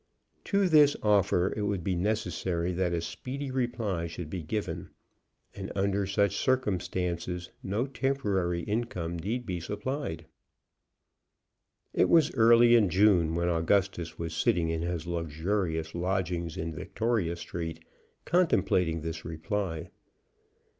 To this offer it would be necessary that a speedy reply should be given, and, under such circumstances, no temporary income need be supplied. It was early in June when Augustus was sitting in his luxurious lodgings in Victoria Street, contemplating this reply.